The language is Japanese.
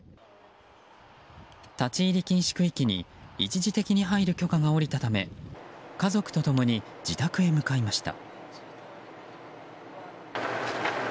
立ち入り禁止区域に一時的に入る許可が下りたため家族と共に自宅へ向かいました。